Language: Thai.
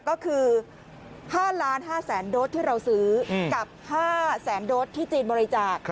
ก็คือ๕๕๐๐๐โดสที่เราซื้อกับ๕แสนโดสที่จีนบริจาค